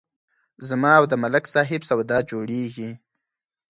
زما او د ملک صاحب سودا جوړېږي